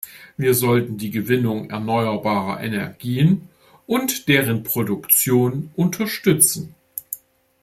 Wir sollten die Gewinnung erneuerbarer Energien und deren Produktion unterstützen.